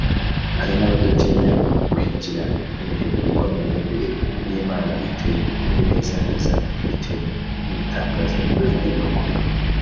Hari n’abadatinya guhigira imihigo ikomeye imbere y’Imana bitewe n’ibinezaneza batewe n’ibitangaza Imana ibakoreye